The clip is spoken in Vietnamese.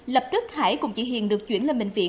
lập tức hải cùng chị hiền được chuyển lên bệnh viện